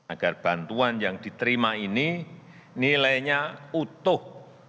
agar bantuan yang diterima ini nilainya utuh